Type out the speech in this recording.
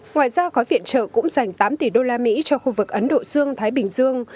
ngoài ra gói viện trợ cũng dành tám tỷ đô la mỹ cho khu vực ấn độ dương thái bình dương